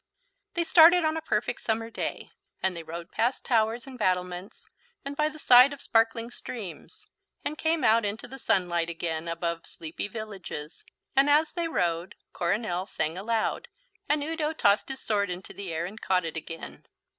They started on a perfect summer day, and they rode past towers and battlements, and by the side of sparkling streams, and came out into the sunlight again above sleepy villages, and, as they rode, Coronel sang aloud and Udo tossed his sword into the air and caught it again.